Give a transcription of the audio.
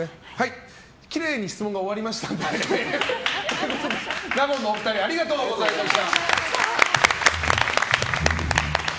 きれいに質問が終わりましたので納言のお二人ありがとうございました。